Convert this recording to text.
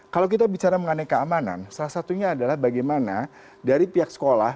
kalau kita bicara mengenai keamanan salah satunya adalah bagaimana dari pihak sekolah